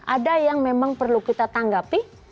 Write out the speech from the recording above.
ada yang memang perlu kita tanggapi